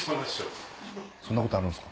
そんなことあるんですか？